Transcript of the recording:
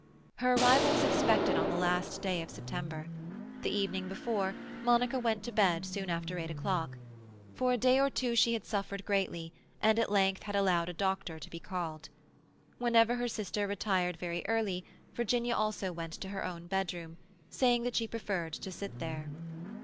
Her arrival was expected on the last day of September. The evening before, Monica went to bed soon after eight o'clock; for a day or two she had suffered greatly, and at length had allowed a doctor to be called. Whenever her sister retired very early, Virginia also went to her own bedroom, saying that she preferred to sit there.